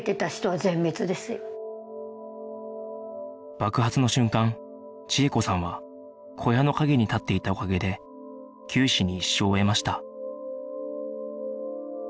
爆発の瞬間千枝子さんは小屋の陰に立っていたおかげで九死に一生を得ました